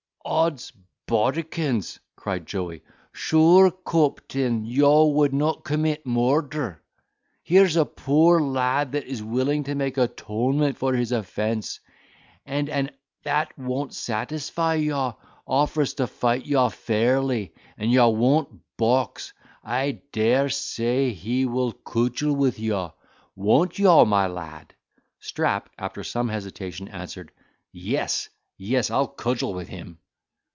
"Odds bodikins!" cries Joey, "sure, coptain, yaw would not commit moorder! Here's a poor lad that is willing to make atonement for his offence; and an that woan't satisfie yaw, offers to fight yaw fairly. And yaw woan't box, I dare say, he will coodgel with yaw. Woan't yaw, my lad?" Strap, after some hesitation, answered, "Yes, yes, I'll cudgel with him."